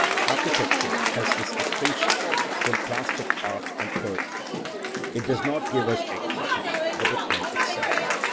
Architecture has this distinction from plastic art and poetry: it does not give us a copy but the thing itself.